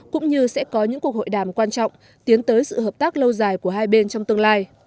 cũng như sẽ có những cuộc hội đàm quan trọng tiến tới sự hợp tác lâu dài của hai bên trong tương lai